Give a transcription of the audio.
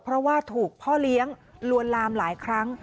เพราะว่าถูกพ่อเลี้ยงลวนลามหลายครั้ง